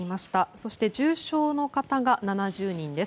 そして、重症の方が７０人です。